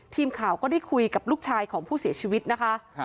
ทีมข่าวก็ได้คุยกับลูกชายของผู้เสียชีวิตนะคะ